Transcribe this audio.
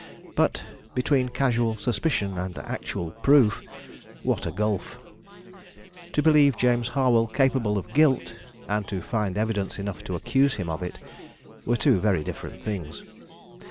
But, between casual suspicion and actual proof, what a gulf! To believe James Harwell capable of guilt, and to find evidence enough to accuse him of it, were two very different things.